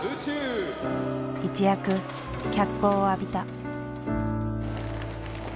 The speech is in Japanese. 一躍脚光を浴びた。